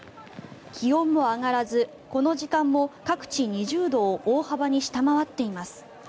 気温も上がらずこの時間も各地２０度を大幅に下回っています。